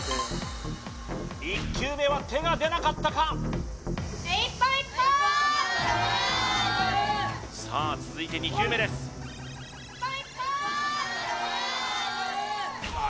１球目は手が出なかったかさあ続いて２球目ですさあ